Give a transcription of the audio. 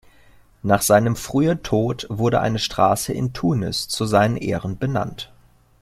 Nach seinem frühen Tod wurde eine Straße in Tunis zu seinen Ehren benannt.